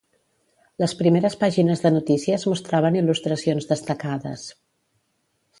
Les primeres pàgines de notícies mostraven il·lustracions destacades.